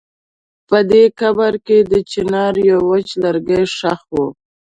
په دې قبر کې د چنار يو وچ لرګی ښخ و.